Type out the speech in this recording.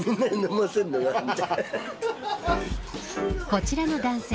こちらの男性